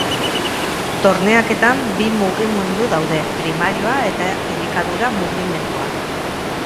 Torneaketan bi mugimendu daude: primarioa eta elikadura-mugimendua.